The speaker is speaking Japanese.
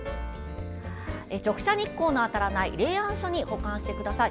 直射日光の当たらない冷暗所で保管してください。